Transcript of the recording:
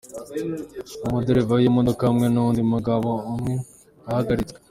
Umudereva w'iyo modoka hamwe n'uwundi mugabo umwe bahagaritswe.